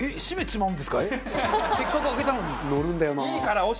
せっかく開けたのに。